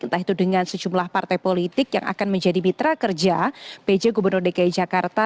entah itu dengan sejumlah partai politik yang akan menjadi mitra kerja pj gubernur dki jakarta